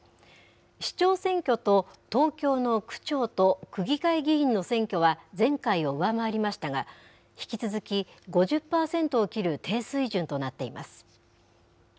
市長選挙と東京の区長と区議会議員の選挙は前回を上回りましたが、引き続き５０％を切る低水準となっています。